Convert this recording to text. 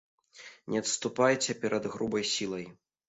Не адступайце перад грубай сілай.